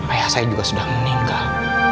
ayah saya juga sudah meninggal